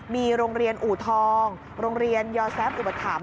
มีโรงเรียนอูทองโรงเรียนยอแซฟอุปถัมภ